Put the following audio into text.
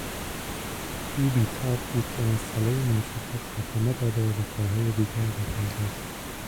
او بیتاب بود کهمسئله موجود را خاتمه داده به کارهای دیگر بپردازد.